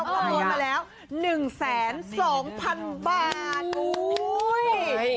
มาแล้ว๑แสน๒พันบาท